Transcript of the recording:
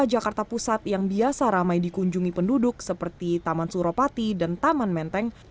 jakarta pusat yang biasa ramai dikunjungi penduduk seperti taman suropati dan taman menteng